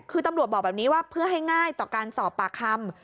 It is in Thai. คือตำรวจบอกแบบนี้ว่าเพื่อให้ง่ายต่อการสอบปากคำ